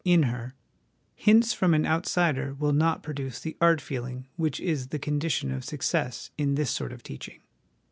in her, hints from an outsider will not produce the art feeling which is the condition of success in this sort of teaching.